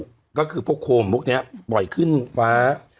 ก็คือพวกโคมพวกนี้ปล่อยขึ้นฟ้า